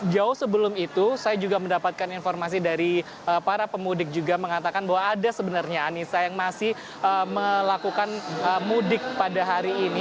jauh sebelum itu saya juga mendapatkan informasi dari para pemudik juga mengatakan bahwa ada sebenarnya anissa yang masih melakukan mudik pada hari ini